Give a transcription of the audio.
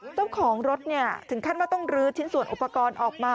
เจ้าของรถถึงขั้นว่าต้องลื้อชิ้นส่วนอุปกรณ์ออกมา